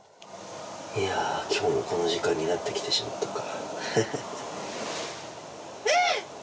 いや、今日もこの時間になってきてしまったか。